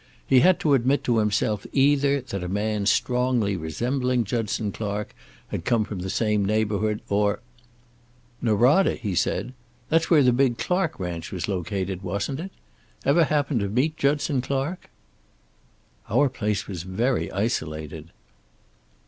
He had to admit to himself either that a man strongly resembling Judson Clark had come from the same neighborhood, or "Norada?" he said. "That's where the big Clark ranch was located, wasn't it? Ever happen to meet Judson Clark?" "Our place was very isolated."